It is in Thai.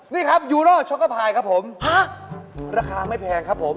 นี่ครับยูโร่ช็อกโกพายครับผมฮะราคาไม่แพงครับผม